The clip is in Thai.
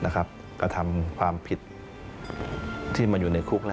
กระทำความผิดที่มาอยู่ในคุก